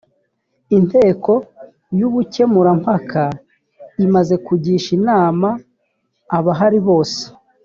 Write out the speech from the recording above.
inteko y’ ubukemurampaka imaze kugisha inama abahari bose.